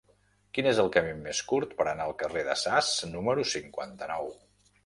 Quin és el camí més curt per anar al carrer de Sas número cinquanta-nou?